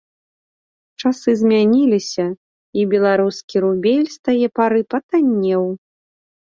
Часы змяніліся, і беларускі рубель з тае пары патаннеў.